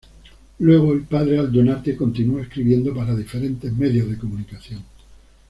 Luego el padre Aldunate continúa escribiendo para diferentes medios de comunicación.